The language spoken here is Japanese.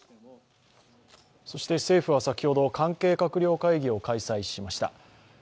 政府は先ほど、関係閣僚会議を開催しました。